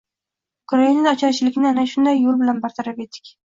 Ukrainada ocharchilikni ana shunday yo‘l bilan bartaraf etdik.